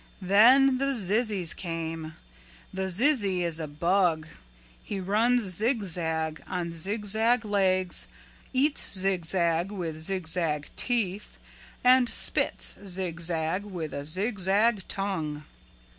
"Then the zizzies came. The zizzy is a bug. He runs zigzag on zigzag legs, eats zigzag with zigzag teeth, and spits zigzag with a zigzag tongue.